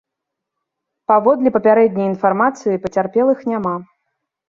Паводле папярэдняй інфармацыі, пацярпелых няма.